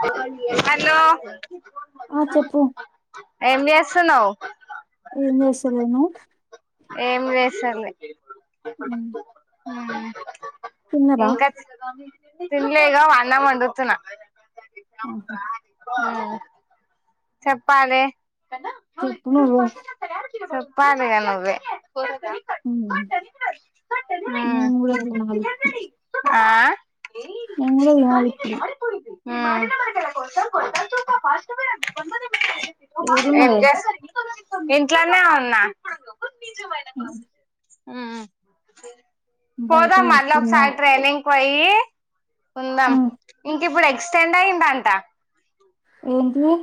చెప్పండి హలో ఆ చెప్పు ఏమ్ జేస్తున్నావ్ ఏం జేస్తలేను ఇ హు ఇంకా తిన్లేదు అన్నం వండుతున్న. ఓకే. అవును. చెప్పాలే. చెప్పు నువ్వే. చెప్పాలీగా నువ్వే. ఉమ్ మ్మ్ మూ [unintelligible] నాలుక్కు. ఆ నేన్ గూడా తినాలి ఇప్పుడు. ఉమ్మ్. ఎది ఏం ఏడున్నవే జేస్. ఇంట్లోనే ఉన్నా. మీ జమనా పస ఉమ్, బయట పోదాం మళ్ళ కూస్తున్నా ఒకసారి ట్రైనింగ్. పోయి ఉందాం. ఇంక ఇప్పుడు ఎక్స్టెండ్ అయ్యిందంట. ఏంటిది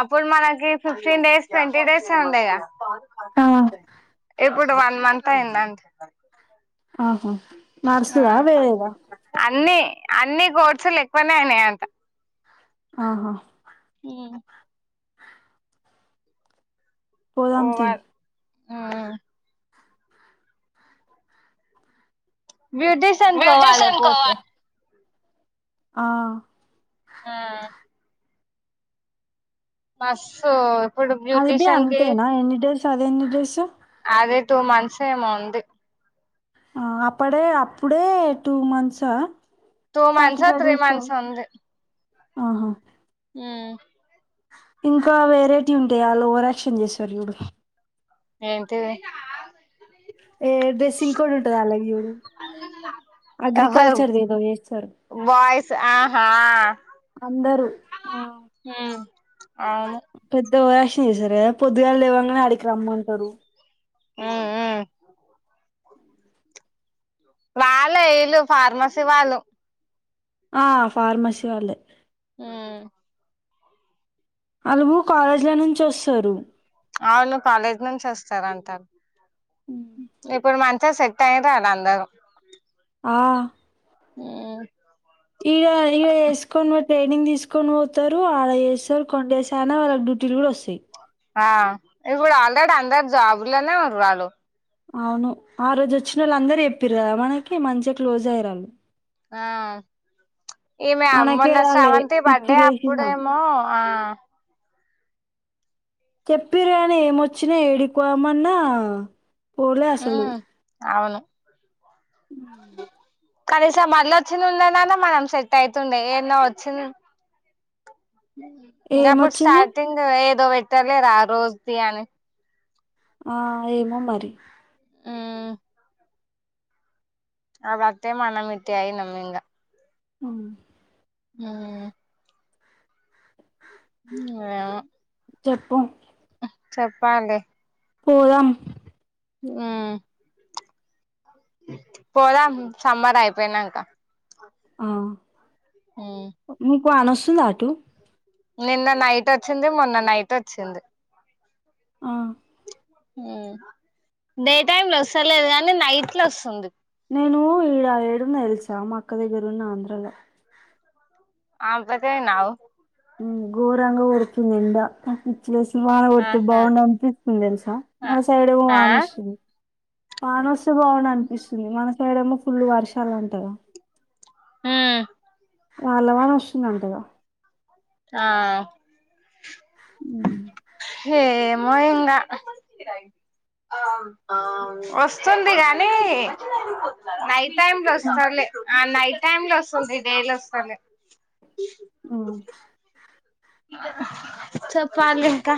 అప్పుడు మనకి ఫిఫ్టీన్ డేస్, ట్వంటీ డేస్ ఏ ఉండేగా. ఆ. ఇప్పుడు వన్ మంత్ అయిందంట్. ఆహా. నర్స్ దా, వేరేదా. అన్ని, అన్ని కోర్సులు ఎక్కువనే అయినాయి అంట. ఆహా. ఉమ్. పోదాంతీ. పోవాలి బ్యూటిషియన్ కోవాల బ్యూటీషియన్ పోతే కోవాలి ఆ. ఆ. బస్సు. అది బి అంతేనా, ఎన్నిడేస్ అదేన్ని డేసు. అదే టూ మంత్స్ ఏమో ఉంది. ఆ అప్పడే, అప్పుడే టూ మంత్స్ ఆ. టూ మంత్స్ ఓ, త్రీ మంత్స్ ఉంది. ఆహా. ఉమ్. ఇంకా వెేరైటీ ఉంటాయి, ఆళ్ళు ఓవర్ యాక్షన్ చేస్తారు చూడు. ఏంటివి. ఏ డ్రెస్సింగ్ కోడ్ ఉంటది వాళ్ళకు చూడు ఎవరు అగ్రికల్చర్ది ఏదో చేస్తారు బాయ్స్ ఆహా అందరూ అవును పెద్ద ఓవరాక్షన్ చేస్తారూ కదా పొద్దుగాళ్ళు లేవంగానే ఆడికి రమ్మంటారు ఆ ఆ వాళ్ళ వీళ్ళు ఫార్మసీ వాళ్ళు ఆ ఫార్మసి వాళ్ళే ఉమ్ అలువు కాలేజీల నుంచి వస్తారు అవును కాలేజ్ నుంచి వస్తార అంటారు ఇప్పుడూ మనకి సెట్ అయింట అద అందరు ఆ ఉమ్ ఈడ ఈడ వేసుకొని వా ట్రైనింగ్ తీసుకొని పోతారు ఆడ వేస్తారు కొండ వేసాయనా వాళ్ళకి డ్యూటీలు కూడా వస్తాయి ఆ ఇప్పుడు ఆల్రెడీ అందరు జాబులోనే ఉన్నారు వాళ్ళు అవును ఆ రోజు వచ్చిన వాళ్ళు అందరు చెప్పేరు కదా మనకి మంచిగా క్లోజ్ అయ్యిర్రు వాళ్ళు ఆ ఈమె మనకే మొన్న రాలే శవంతి పిచ్చి బర్డే లేసింది నాకు అప్పుడేమో ఆ చెప్పిర్రి గాని ఏమొచ్చినా ఏడికోమన్నా పోలే అసలు ఉమ్ అవును కనీసం మళ్ళీ వచ్చింది ఉండనన్న మనం సెట్ అయితుండే ఏన్నో వచ్చింది ఇంకా అప్పుడు ఏమొచ్చింది స్టార్టింగ్ ఏదో పెట్ టలేరా ఆ రోజుది అని ఆ ఏమో మరి ఉమ్ అప్పుడు అత్తే మన మాన్నమిట్టయి ఇంకా ఉమ్ ఉమ్ ఉమ్ ఏమో చెప్పు చెప్పాలి పోదాం ఆ పోదాం సమ్మర్ అయిపోయినాక ఉమ్ కు అనొస్తుందా అటు నిన్న నైట్ వచ్చింది మొన్న నైట్ వచ్చింది ఆ ఉమ్ డే టైమ్ లో వస్తలేదు కానీ నైట్ లో వస్తుంది నేను ఈడ ఏడున్న నాకు తెలుసా మా అక్క దగ్గరున్న ఆంధ్రలో ఆ బాధే నావు గోరంగా కొడుతుంది ఇంకా పిచ్చి లేసి వాన కొడితే ఆహా బాగుండు అనిపిస్తుంది తెలుసా మన సైడ్ ఏమో ఆ వాన వస్తుంది వాన వస్తే బావుండు అనిపిస్తుంది మనసైడ్ ఏమో ఫుల్ వర్షాలు అంటాగా హ్మ్ రాళ్లవన వస్తుందంటగా ఆ హే ఏమో ఇంగా వస్తుంది గానీ నై టైం లో వస్తాలే ఆ నైట్ టైం లో వస్తుంది డై లో వస్తాలే హ్మ్ చెప్పాల ఇంకా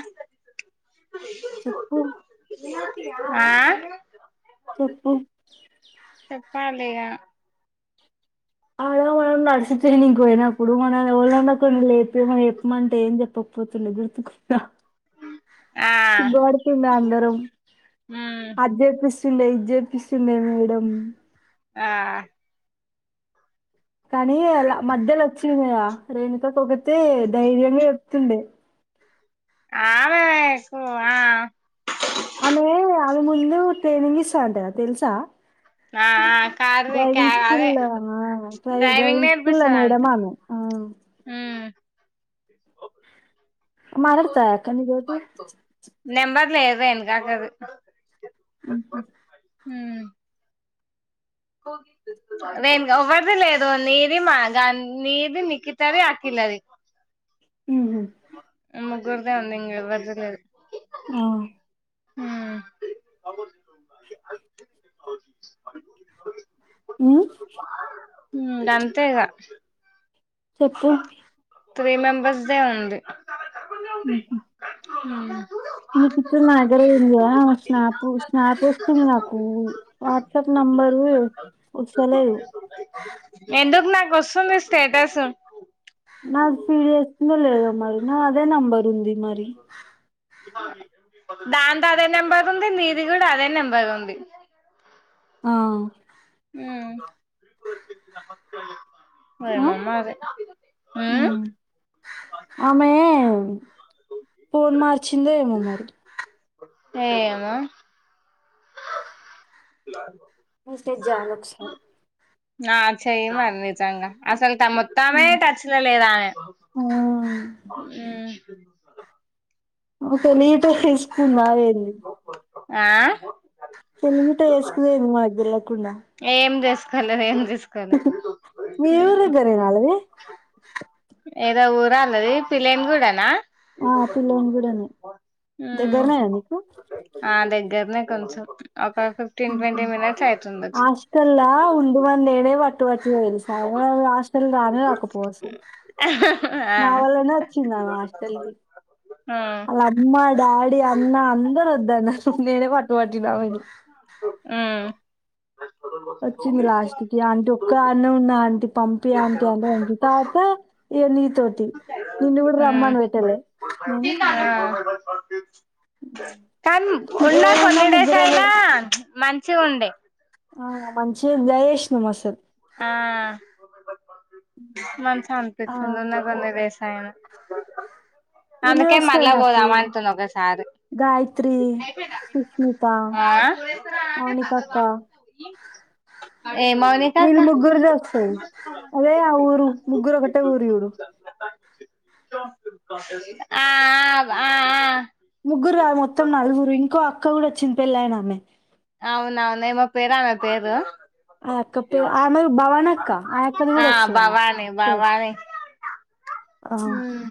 చెప్పు ఆ చెప్పు చెప్పా అ [unintelligible] ఆలో నర్స్ ట్రైనింగ్కి అయినప్పుడు ఇప్పుడు మన వాళ్ళ ఉండకుండా లేపేమ చెప్పమంటే ఏం చెప్పకపోతుండ గుర్తుకు ఆ గోడికింద అందరూ ఉమ్ అధ్యాపీ ఇండే చెప్పస్తున్నా మేడం ఆ కానీ అలా మధ్యలో వచ్చి ఇండియా రేణుక కొగతే ధైర్యంగా చెప్తుండే ఆమెకు ఆ ఆమె అవి ముందు తనిగిస్తా అంట తెలుసా ఆ ఆ కారుది క్యా డ్రైవింగ్ స్కూల్ అదే లనా డ్రై డ్రైవింగ్ స్కూల్ మేడంఆమె ఆ ఉమ్ మారలాతా కానీదివది నెంబర్ లేదు వెనకాకది ఉ హు ఉ నేను ఎవరిది లేదు నీది మాగా నీది నికితది అకిలది ఉమ్, అ గురుదా ఉందంగ వర్జదు [unintelligible] ఆ ఉ ఉమ్, ఉ అంతేగా చెప్పు త్రీ మెంబర్స్ డే ఉంది ఉహు ఉ ఈ చిత్రం నా దగ్గర ఉంది స్నాప్ స్నాప్ వస్తుంది నాకు వాట్సాప్ నెంబరు వస్తలేదు ఎందుకు నాకు వస్తుంది స్టేటాస్ ఎందు లేదా మరి నా అదే నంబర్ ఉంది మరి దాంతో అదే నంబర్ ఉంది నీది కూడా అదే నెంబర్ ఉంది ఆ ఉ ఆ ఏమోమరి ఊ ఆమే ఫోన్ మార్చ చిందే ఏమో మరి ఏమొ [inaudible] ఇంట జాల క్ష ఆ చేయను అన్ని చల్నా అసల్ మొత్తమే టచ్ లో లేదామె ఆ అ తెలీదు చూసుకున్నారెంది ఆ తెనిట్ట వేసుకుపోయేది మాకు తెలువ కుండా ఏం చేసుకోలేదు ఏం చేస్ మీ ఊరి దగ్గరనేనా వాళ్ళది ఏదో ఊరా అన్నది పిళ్లని కూడానా ఆ పిల్లోని కూడానే ఉం దగ్గరనేనా ఆ దగ్గర్నె కలిస ఉహు అష్టల్లా ఉండ వాళ్లేడే వట్టు వాట్ దువలు సావని హాస్టల్ రానే రాకపోవవ్ అసల్ నా ఆ వల్లనే వచ్చింది ఆమె హాస్టల్ కి ఉమ్ అలా అమ్మా డాడీ అమ్మ అందరు వద్దన్నర్ నేనే పట్టు పట్టినా ఆమెని ఆ వచ్చింది లాస్ట్ కి అంటి ఒక్క దాన్నే ఉన్న ఆంటీ పంపియి ఆంటీ అంటే పంపిత్తే అబ్బో ఇగ నీతోటి నిన్ను కూడా రమ్మను ఉమ్ పెట్టలే ను ఆ ఉం ఉన్నా కొన్ని డేస్ అయినా మం చిగుండే ఆ మంచిగ ఎంజాయ్ చేసిను మస్తు ఆ ఆ మంచిగనిపిచ్చింది ఉన్నది ఉన్నదేస్ అయన ఈమె అందుకే మళ్ళ వస్తది నాకు పోదామ అంటున్న ఒకసారి గాయత్రి సుష్మిత అ మౌనిక అక్క అ వీళ్ళు ముగ్గురు చేస్తంది అదే ఆ ఊరు ముగ్గురు ఒకటే ఊరి చూడు [inaudible] ఆ ఆ ఆ ఆ ముగ్గురు కాదు మొత్తం నలుగురు ఇంకో అ క్క కూడా వచ్చింది పెళ్లయినా ఆమె అవునవున ఏమో పేరామె పేరు ఆ అక్క పర్ అమె భవనీ అక్క ఆయక్కది ఆ కూడా వస్తది ఆహా మ్